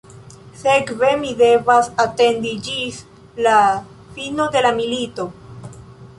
Sekve mi devas atendi ĝis la fino de la milito.